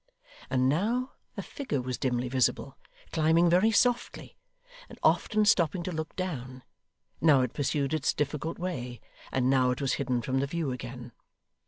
And now a figure was dimly visible; climbing very softly; and often stopping to look down; now it pursued its difficult way; and now it was hidden from the view again.